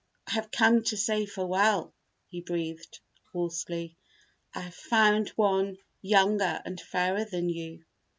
"I have come to say farewell," he breathed, hoarsely. "I have found one younger and fairer than you."